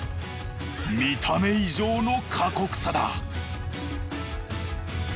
見た目以上の過酷さだ。